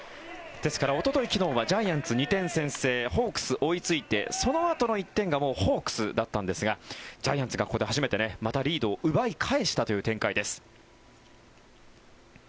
ですから、おととい昨日はジャイアンツ２点先制ホークス追いついてそのあとの１点がホークスだったんですがジャイアンツがここでまたリードを奪い返したという展開です。